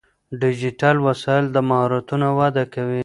ډیجیټل وسایل د مهارتونو وده کوي.